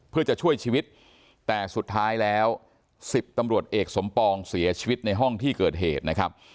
เพื่อจะช่วยชีวิตแต่สุดท้ายแล้ว๑๐ตำรวจเอกสมปองเสียชีวิตในห้องที่เกิดเหตุนะครับ